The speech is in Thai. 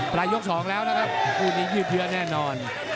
ปลายยก๒แล้วนะครับคู่นี้ยืดเพลือนแน่นอน